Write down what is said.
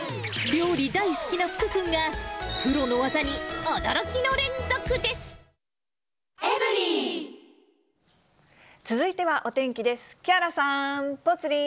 料理大好きな福君がプロの技続いてはお天気です。